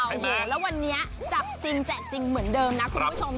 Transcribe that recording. โอ้โหแล้ววันนี้จับจริงแจกจริงเหมือนเดิมนะคุณผู้ชม